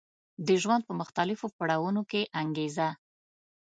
د ژوند په مختلفو پړاوونو کې انګېزه